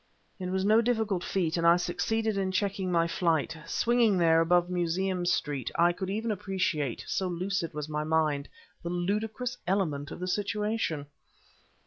It was no difficult feat, and I succeeded in checking my flight. Swinging there above Museum Street I could even appreciate, so lucid was my mind, the ludicrous element of the situation.